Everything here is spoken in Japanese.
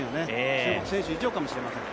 中国選手以上かもしれません。